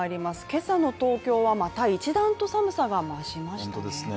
今朝の東京はまた一段と寒さが増しましたね。